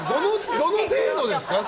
どの程度ですか？